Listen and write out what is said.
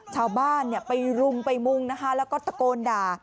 ชาวบ้านไปรุมไปมุ่งนะคะแล้วก็ตะโกนด่า